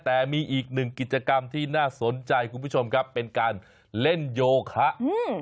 แต่มีอีกหนึ่งกิจกรรมที่น่าสนใจคุณผู้ชมครับเป็นการเล่นโยคะอืม